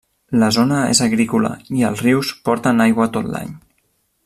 La zona és agrícola i els rius porten aigua tot l'any.